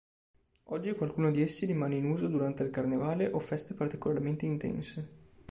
Oggi qualcuno di essi rimane in uso durante il Carnevale o feste particolarmente intense.